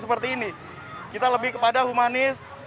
seperti ini kita lebih kepada humanis